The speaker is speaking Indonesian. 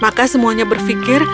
maka semuanya terpikir